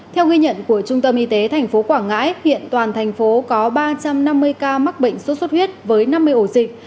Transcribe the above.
theo ghi nhận của trung tâm y tế tp quảng ngãi hiện toàn thành phố có ba trăm năm mươi ca mắc bệnh sốt xuất huyết với năm mươi ổ dịch